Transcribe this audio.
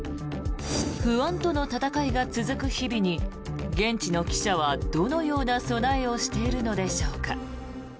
不安との闘いが続く日々に現地の記者はどのような備えをしているのでしょうか。